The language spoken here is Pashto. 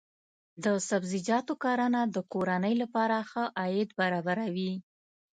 د سبزیجاتو کرنه د کورنۍ لپاره ښه عاید برابروي.